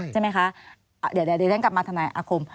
เดี๋ยวเรียกกับมาธนายอาคม